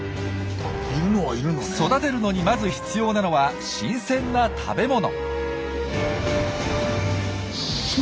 育てるのにまず必要なのは新鮮な食べ物。